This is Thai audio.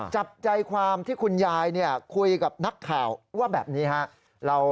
จับใจความที่คุณยายคุยกับนักข่าวว่าแบบนี้ครับ